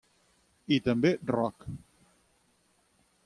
I també rock.